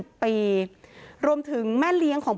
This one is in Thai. อยู่ดีมาตายแบบเปลือยคาห้องน้ำได้ยังไง